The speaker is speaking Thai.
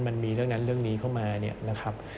มันมีเรื่องนั้นเรื่องนี้เข้ามา